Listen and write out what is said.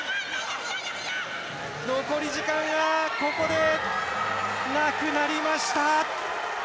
残り時間がここでなくなりました。